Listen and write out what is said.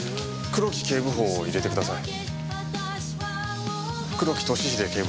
黒木警部補を入れてください。